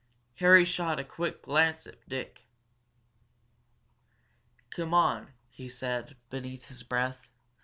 Harry shot a quick glance at Dick. "Come on," he said, beneath his breath.